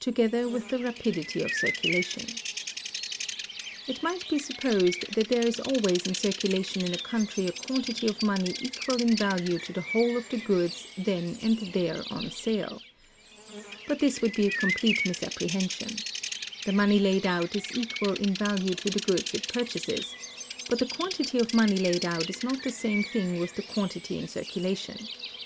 —Together with the Rapidity of Circulation. It might be supposed that there is always in circulation in a country a quantity of money equal in value to the whole of the goods then and there on sale. But this would be a complete misapprehension. The money laid out is equal in value to the goods it purchases; but the quantity of money laid out is not the same thing with the quantity in circulation.